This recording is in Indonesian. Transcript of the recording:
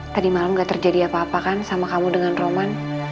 tadi malam gak terjadi apa apa kan sama kamu dengan roman